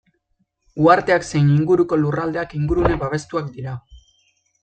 Uharteak zein inguruko lurraldeak ingurune babestuak dira.